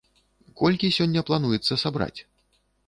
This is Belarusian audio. Колькі сёння плануецца сабраць?